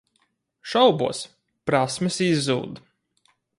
Šaubos. Prasmes izzūd.